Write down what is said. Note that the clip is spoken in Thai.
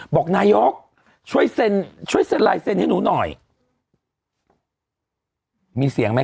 บอกนายกช่วยเซ็นช่วยเซ็นลายเซ็นให้หนูหน่อยมีเสียงไหม